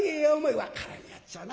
「分からんやっちゃな。